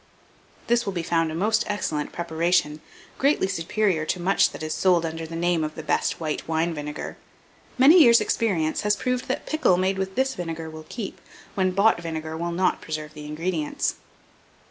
This will be found a most excellent preparation, greatly superior to much that is sold under the name of the best white wine vinegar. Many years' experience has proved that pickle made with this vinegar will keep, when bought vinegar will not preserve the ingredients.